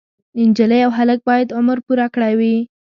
نجلۍ او هلک باید عمر پوره کړی وای.